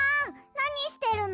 なにしてるの？